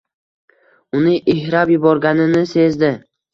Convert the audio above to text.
Uni ihrab yuborganini sezdi.